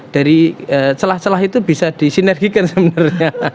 dari celah celah itu bisa disinergikan sebenarnya